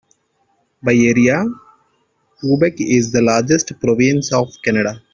By area, Quebec is the largest province of Canada.